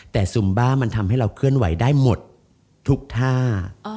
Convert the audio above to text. แต่ซุมบ้ามันทำให้เราเคลื่อนไหวได้หมดทุกท่า